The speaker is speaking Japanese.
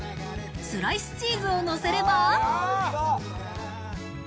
スライスチーズをのせれば。